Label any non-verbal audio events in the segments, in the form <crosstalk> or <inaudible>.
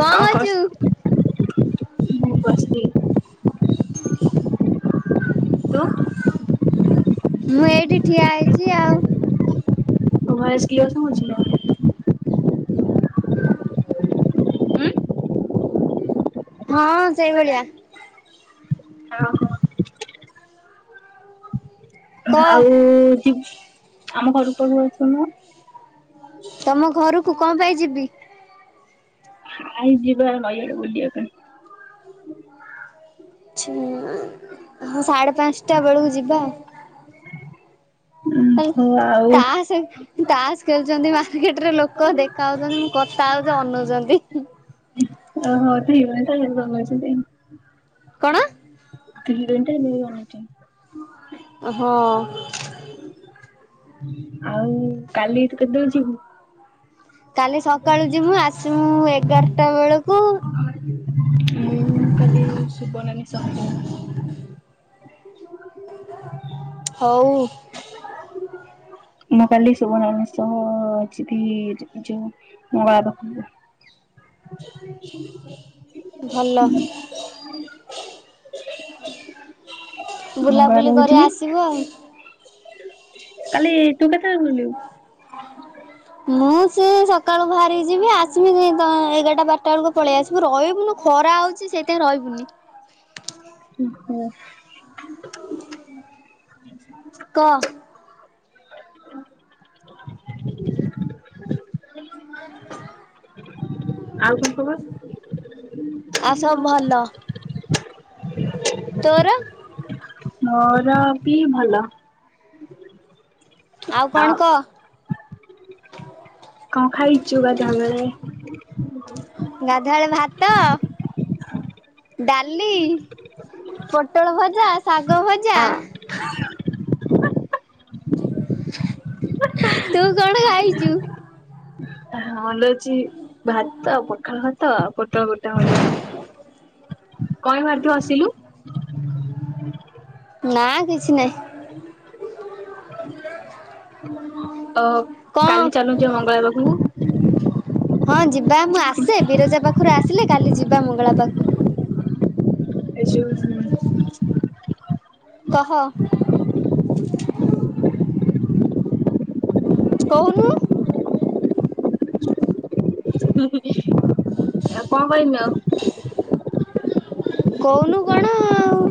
କଣ କରୁଚୁ? <inaudible> ମୁଁ ଏଇଠି ଠିଆ ହେଇଛି ଆଉ। ତେଓ, ଭଏସ୍ କିଲିୟର ସୁଣୁଚିନା? ହୁଁ <inaudible> ଉଁ। ହଁ, ସେଇଭଳିଆ। ହଁ, ହଁ। କହ ଆଉ ଚିପ୍ସ୍ ଆମ ପାଖେ ସବୁ ଅଛି ନା? ତମ ଘରକୁ କଣ ପାଇଁ ଯିବି? ଆଉ ଯିବାର ନାହିଁ, ବୁଲିବା ପାଇଁ। <unintelligible> ହଁ, ସାଢ଼େ ପାଞ୍ଚଟା ବେଳକୁ ଯିବା। ଉଁ <unintelligible> ତାଆ ସ ତାସ ଖେଳୁଛନ୍ତି, ମାର୍କେଟ ରେ ଲୋକ ଦେଖା ହାଉଛନ୍ତି, କଥା ହଉଛି, ଅନେଉଛନ୍ତି। ଓହୋ, ଠିକ୍ ଅଛି <unintelligible> କଣ? କିଲେଟା ନିଆଛିନ୍? ହଁ। ଆଉ କାଲି ଏଠୁ କେତେ ବେଳେ ଯିବୁ? କାଲି <unintelligible> ସକାଳୁ ଯିମୁ ଆସିମୁ ମୁଁ ଏଗାରଟା ବେଳକୁ କାଲି ସୁବନାନୀ ସହଜ। ହଉ। ମୁ କାଲି ସୁବ ନାନୀ ସହ ଯିବି ଜ ଯୋଉ <unintelligible> ଭଲ ଉଁ ବୁଲାବୁଲି କରି ଆସିବୁ ଆଉ। କାଲି ତୁ କେତେବେଳେ ଗଲୁ? ମୁଁ ସେ ସକାଳୁ ବାହାରିଯିବି ଆସିବି ଦ ଏଗାରଟା ବାର ଟା ଏଳକୁ ପଳେଇଆସିବୁ ରହିବୁନୁ ଖରା ହଉଚି ସେଇଥାଇଁ ରହିବୁନି। ଓହୋ। <unintelligible> କ <unintelligible> ଆଉ କଣ ଖବର? ଆ ସବୁ ଭଲ। ତୋର ମୋର ବି ଭଲ। ଆଉ କଣ କ। କଣ ଖାଇଚୁ ଗାଧୁଆ ବେଳେ? ଗାଧୁଆଳେ ଭାତ ଡ଼ାଲି, ପୋଟଳ ଭଜା, ଶାଗ ଭଜା। ହ ତୁ କଣ ଖାଇଚୁ? ହଁ ଲୋଚି ଭାତ ପଖାଳ ଭାତ ଆଉ ପୋଟଳ ପୋ <unintelligible> କଇଁବାର ତୁ ଆସିଲୁ? ନା କିଛି ନାଇଁ। ଓ କଣ କାଲି ଚାଲୁନୁ ଯିବା ମଙ୍ଗଳା ପାଖକୁ। ହଁ ଯିବା ମୁଁ ଆସେ ବିରଜା ପାଖରୁ ଆସିଲେ କାଲି ଯିବା ମଙ୍ଗଳା ପାଖକୁ। ଏ ଯୋଉ କହ। କୋହୁନୁ। ଆଉ କଣ କହିମି ଆଉ? କହୁନୁ କଣ ଆଉ?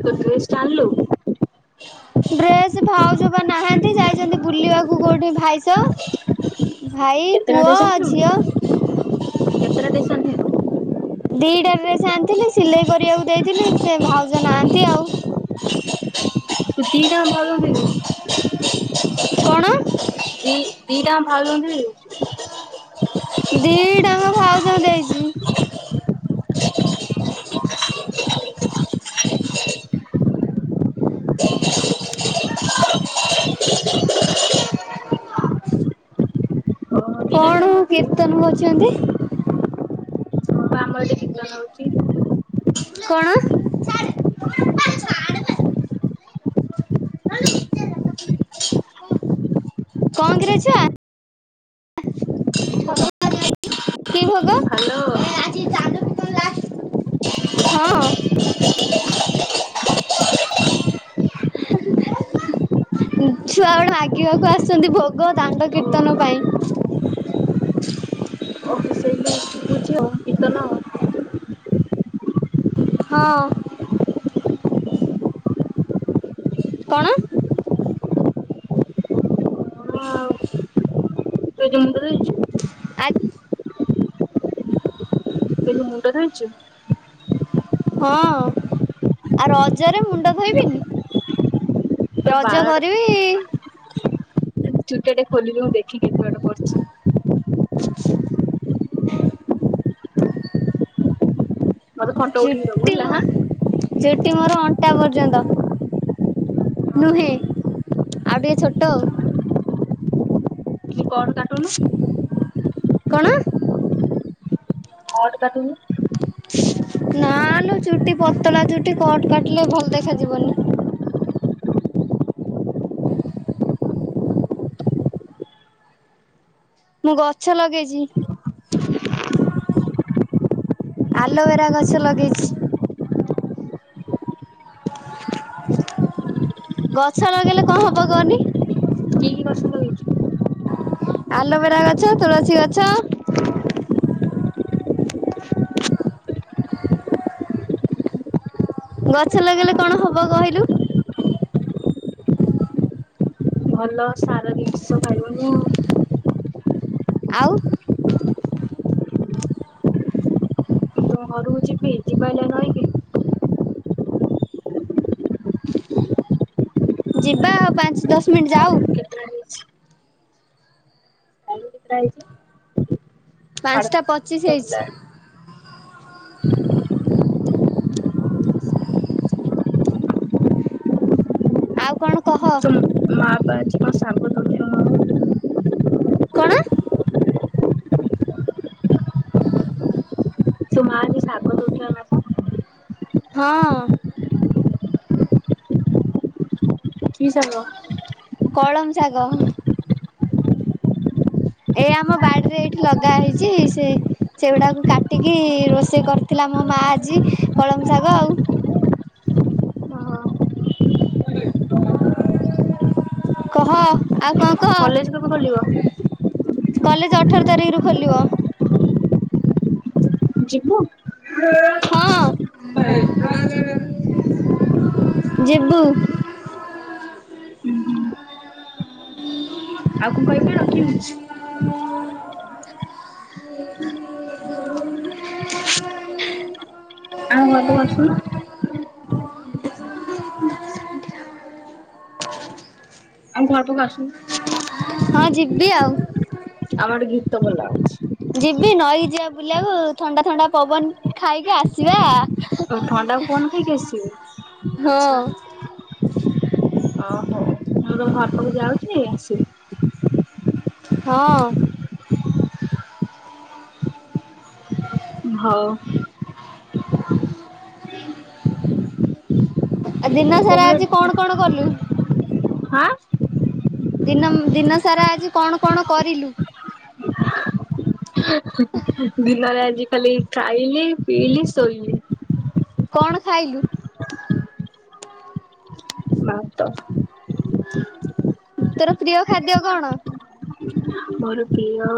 ତୋ ଡ୍ରେସ ଟା ଆଣିଲୁ? ଡ୍ରେସ ଭାଉଜ ପା ନାହାନ୍ତି ଯାଇଚନ୍ତି ବୁଲିବାକୁ କୋଉଠି ଭାଇସ। ଭାଇ କେତେଟା ପୁଅ ଡ୍ରେସ ଆ ଆଣିଥିଲୁ କି? ଝିଅ। କେତେଟା ଡ୍ରେସ ଆଣିଥିଲୁ ଦିଟା ଡ୍ରେସେ ଆଣିଥିଲି ସିଲେଇ କରିବାକୁ ଦେଇଥିଲି ସିଏ ଭାଉଜ ନାହାନ୍ତି ଆଉ। ତୁ ଦିଟାଙ୍କ ଭାଉଜଙ୍କୁ କଣ <unintelligible> ଦି ଦିଟାଙ୍କ ଭାଉଜଙ୍କୁ ଦେଇ ଦିଟାଙ୍କ ଭାଉଜଙ୍କୁ ଦେଇଚି। ଦେଇଦେଲୁ। ଓହୋ ଦିଟା ଯାକ କଣ ଦେଇଦେଲୁ କି? କୀର୍ତ୍ତନ କରୁଚନ୍ତି? ହଁ ବା ଆମର ଏଟି କୀର୍ତନ ହଉଚି। କଣ? କଣ କିରେ ଛୁଆ? <unintelligible> କି ଭୋଗ ହ୍ୟାଲୋ ଏ ଆଜି ଜାଣ୍ଡୁକିତ ଲାଷ୍ଟ ହଁ। <inaudible> ଛୁଆ ଗୁଡ଼ା ମାଗିବାକୁ ଆସିଚନ୍ତି ଭୋଗ ଦାଣ୍ଡ କୀର୍ତ୍ତନ ଓ ପାଇଁ। ଓ ସେଇଥିପାଇଁ ସୁବୁଚି ଆଉ କିର୍ତ୍ତନ। ହଁ। କଣ? କଣ ଆଉ <inaudible> ତୁ <unintelligible> ଆ୍ ତୁଏବେ ମୁଣ୍ଡ ଧୋଇଚୁ। ହଁ ଆଉ ରଜରେ ମୁଣ୍ଡ ଧୋଇବନି। ଗୋଟେ ବାରଟେ ଚୁଟାଟେ ଖୋଲିିକି ମୁଁ ଦେଖିକି କୁଆଡ଼େ ବସିଚି। ମତେ ଫଟୋ ଉଠେଇକି ଦବୁ ଚୁଟି ହେଲା ମୋ ହାଁ ଚୁଟି ମୋର ଅଣ୍ଟା ପର୍ଯ୍ୟନ୍ତ। ନୁହେଁ ଆଉ ଟିକେ ଛୋଟ। କିଛି କଟ୍ କାଟୁନୁ? କଣ? କଟ୍ କାଟୁନୁ। ନାଲ ଚୁଟି ପତଳା ଚୁଟି କଟ୍ କାଟିଲେ ଭଲ ଦେଖାଯିବନି। ମୁଁ ଗଛ ଲଗେଇଚି। ଆଲୋଭେରା ଗଛ ଲଗେଇଚି। <inaudible> ଗଛ ଲଗେଇଲେ କଁ ହବ କଅଁନି? କି କି ଗଛ ଲଗେଇଚୁ? ଆଲୋଭେରା ଗଛ ତୁଳସୀ ଗଛ ଗଛ ଲଗେଇଲେ କଣ ହବ କହିଲୁ? ଭଲ ସାର ଦିନ୍ଷ ଖାଇବୁନୁ। ଆଉ? ତମ ଘରକୁ ଯିବି <unintelligible> ନାହିଁକି? ଯିବା ଆଉ ପାଞ୍ଚ ଦଶ ମିନିଟ୍ ଯାଉ। କେତେଟା ହେଇଛି ରହିଚି ପାଞ୍ଚଟା ପଚିଶି ପାଞ୍ଚଟା ହେଇଚି। ଆଉ କଣ କହ? ତୋ ମାପା ଆଜି କଁ ଶାଗ ତୋଳୁଥି କଣ? <inaudible> ତୋ ମାଏବେ ଶାଗ ତୋଳୁଥିଲାନା କଁ? ହଁ। କି ଶାଗ? କଳମ ଶାଗ। ଏଇ ଆମ ବାଡ଼ରେ ଏଇଠି ଲଗା ହେଇଚି ସେ ସେଗୁଡ଼ାକୁ କାଟିକି ରୋଷେଇ କରିଥିଲା ମୋ ମାଆ ଆଜି କଳମ ଶାଗ ଆଉ। ଓହୋ କହ? ଆଉ କଣ କହ କଲେଜ କେବେ ଖୋଲିବ? କଲେଜ୍ ଅଠର ତାରିଖରୁ ଖୋଲିବ। ଯିବୁ? ହଁ ଆଉ କଣ ଯିବୁ। <unintelligible> ଆଉ କ କହିବେ ରଖିବି? <unintelligible> <unintelligible> ଆଁ ଭଲକୁ ଆସୁନ। <unintelligible> ଆଉ ଘରୁକୁ ଆସୁନୁ। ହଁ ଯିବି ଆଉ। ଆମର ଏଠି ଗୀତ ବୋଲା ହୋଉଛି। ଯିବି ନଈକି ଯିବା ବୁଲିବାକୁ ଥଣ୍ଡା ଥଣ୍ଡା ପବନ ଖାଇକି ଆ ଯିବା ଓ ଥଣ୍ଡା ପବନ ଖାଇକି ଆସିବୁ? ହଁ। ଓହୋଉ ମୁଁ ତମ ଘର ପାଖକୁ ଯାଉଛି ଆସିବୁ। ହଁ। <unintelligible> ହଉ। ଆ ଦିନ ସାରା ଆଜି କଣ କଣ କଲୁ? ହାଁ ଦିନ ଦିନ ସାରା ଆଜି କଣ କଣ କରିଲୁ? ଦିନରେ ଆଜି ଖାଲି ଖାଇଲି ପିଇଲି ଶୋଇଲି। କଣ ଖାଇଲୁ? ମାତ। ତୋର ପ୍ରିୟ ଖାଦ୍ୟ କଣ? ମୋର ପ୍ରିୟ ଉଁ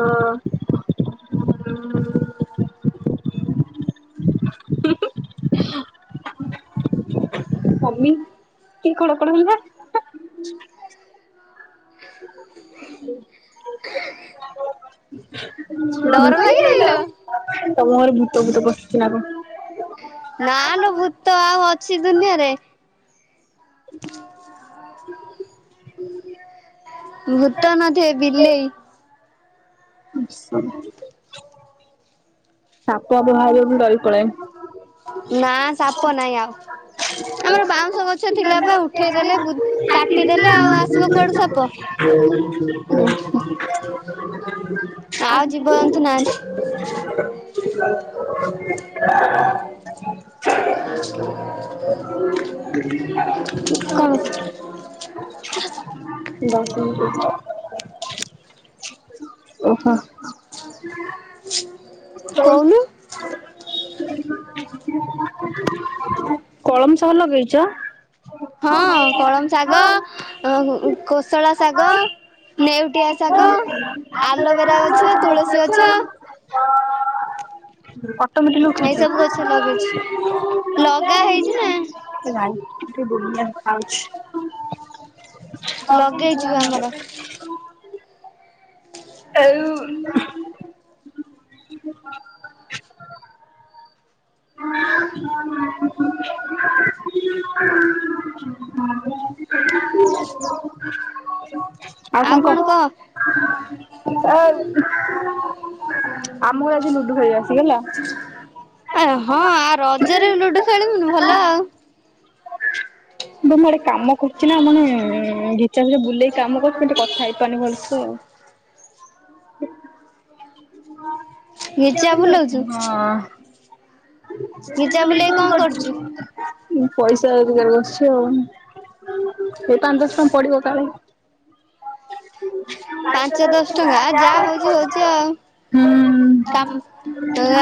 ମମି କି କଣ କଣ ହେଲା। <unintelligible> ଡର ଲାଗିଲା କିଲୋ। ତମ ଘରେ ଭୂତ ଫୁତ ପଶିଚିନା କଣ? ନା ଲୋ ଭୂତ ଆଉ ଅଛି ଦୁନିଆରେ। <unintelligible> <unintelligible> ଭୂତ ନଥିବେ ବିଲେଇ। ସାପ ବାହାରିଲେ ବି ମୁଁ ଡରି ପାଳାଏ। ନା ସାପ ନାହିଁ ଆଉ। ଆମର ବାଉଁଶ ଗଛ ଥିଲାପା ଉଠେଇଦେଲେ କାଟିଦେଲେ ଆଉ ଆସିବ କୁଆଡୁ ସାପ। ଆଉ ଜୀବଜନ୍ତୁ ନାହାନ୍ତି <unintelligible> <unintelligible> କଣ <unintelligible> <unintelligible> ଓହୋ। କହୁନୁ। କଳମ ଶାଗ ଲଗେଇଚ? ହଁ କଳମ ଶାଗ କୋଶଳା ଶାଗ ନେଉଟିଆ ଶାଗ ଆଲୋଭେରା ଗଛ ତୁଳସୀ ଗଛ ଏଇ ସବୁ ଗଛ ଲଗେଇଛି ଅଟୋମେଟ ଲଗା ହେଇଛି ନା ଲେକେଚୁ। <unintelligible> ଲଗେଇଛୁ ଆମର <unintelligible> ହ ଏଉ <inaudible> <inaudible> ହୁଁ <inaudible> ଆଉ କଣ କ। <unintelligible> ଆମକୁ ଆଜି ଲୁଡୁ ଖେଳିଆ ଆସଗଲା। ଆ ହଁ ଆ ରଜରେ ଲୁଡୁ ଖେଳିବୁନି ଭଲ ଆଉ। ମୁଁ ଗୋଟେ କାମ କରୁଛି, ନାମାନେ ଘିଚା ଘିରେ ବୁଲେଇି କାମ କରୁଛି କିନ୍ତୁ କଥା ହେଇପାରୁାନି ଭଲସେ ଆଉ। ଘିଚା, ବୁଲାଉଛୁ। ହଁ। ସେଟା ବୁଲେଇଲି କଣ କରୁଛୁ। ମୁଁ ପଇସା ରୋଜଗାର କରୁଛି ଆଉ। ସେ ପାଞ୍ଚ ଦଶ ଟଙ୍କା ପଡିବ କାଳେ। ପାଞ୍ଚ ଦଶ ଟଙ୍କା ଯାହା ହଉଛି ହଉଛି ଆଉ, ହୁଁ। କାମ।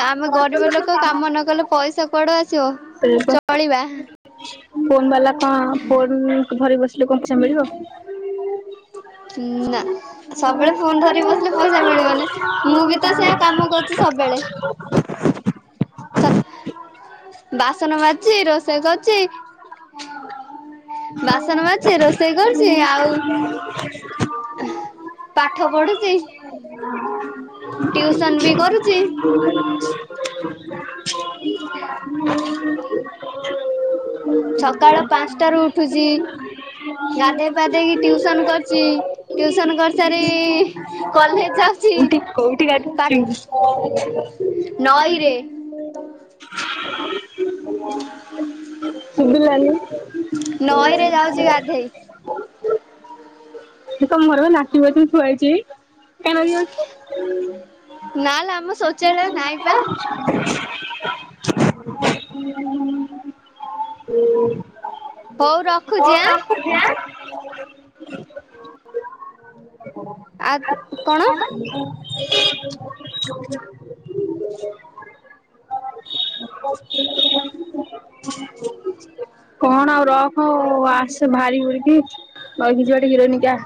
ଆମେ ଗରିବ ଲୋକ କାମ ନ କଲେ ପଇସା କୁଆଡ ଆସିବ ସେଇ ପା ଚଳିବା। ଫୋନ୍ ବାଲା କଣ ଫୋନ୍ ଭରି ବସିଲେ କଣଟା ମିଳିବ। ହୁଁ, ନା। ସବୁବେଳେ ଫୋନ ଧରିକି ବସିଲେ ପଇସା ମିଳିବନି, ମୁଁ ବି ତ ସେଇୟା କାମ କରୁଛି ସବୁବେଳେ। <unintelligible> ବାସନ ମାଜୁଛି ରୋଷେଇ କରୁଛି। ବାସନ ମାଜୁଛି ରୋଷେଇ କରୁଛି ଆଉ। ପାଠ ପଢୁଛି <unintelligible> ଟିଉସନ ବି କରୁଛି ରୋଷେଇ କରୁଛି। <unintelligible> <inaudible> ସକାଳ ପାଞ୍ଚଟାରୁ ହୁଁ ଉଠୁଛି ହ ଗାଧେଇ ପାଧେଇକି ଟିଉସନ କରୁଛି <inaudible> ଟିଉସନ କରିସାରି <unintelligible> କଲେଜ <unintelligible> ଯାଉଛି କଉଠି କୋଉଠି ଗାଧୋଇ ପାଠ ଛୁ ନଇରେ। ହଁ <inaudible> ସୁବିଲାନି? ନଈ ରେ ଯାଉଛି ଗାଧେଇ। ତମ ଘର ନାକିବି ଛୁଆ ହେଇଛି କାହିଁକ। <unintelligible> ନା ଲ ଆମ ଶୌଚାଳୟ ନାଇଁ ପା। ହଉ ରଖୁଛି ଆଁ। ଆଉ କଣ।। <inaudible> କଣ ଆଉ ରଖ ଆସ ଭାରି ଭୁରିକି। ନଈ କି ଯିବା ଏଠି ହିରୋଇନି ହେଇକି ଆ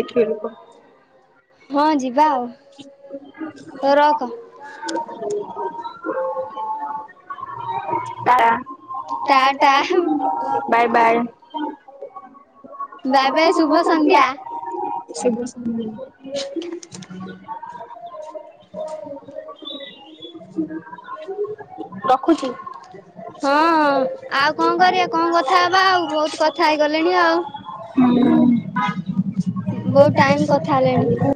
ଦେଖିବେ ଲୋକ? ହଁ ଯିବା ଆଉ ତ ରଖ। <unintelligible> <unintelligible> ତାଟା ଟା ଟା--ହୁଁ ବାଏ ବାଏ। ବାଏ ବାଏ ଶୁଭ ସନ୍ଧ୍ୟା। ଶୁଭ ସନ୍ଧ୍ୟା। <unintelligible> ରଖୁଚି। ହଁ ଅଁ ଆଉ କଣ କରିବା କଣ କଥା ହବା ଆଉ ବହୁତ କଥା ହେଇଗଲେଣି ଆଉ। ବହୁତ ଟାଇମ କଥା ହେଲେଣି। ହୁଁ।